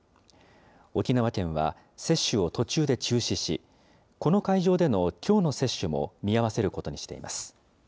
沖縄県は、接種を途中で中止し、この会場でのきょうの接種も見合わせることにしています。